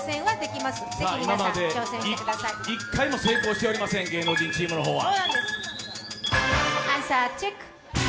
今まで１回も成功していません、芸能人チームの方は。